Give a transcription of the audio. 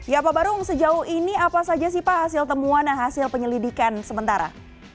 ya pak barung sejauh ini apa saja sih pak hasil temuan dan hasil penyelidikan sementara